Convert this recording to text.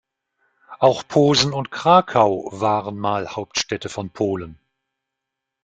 Auch Posen und Krakau waren mal Hauptstädte von Polen.